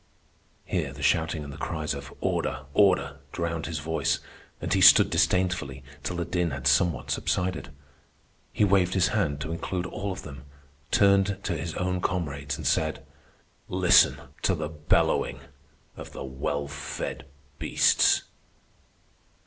Here the shouting and the cries of "Order! order!" drowned his voice, and he stood disdainfully till the din had somewhat subsided. He waved his hand to include all of them, turned to his own comrades, and said: "Listen to the bellowing of the well fed beasts."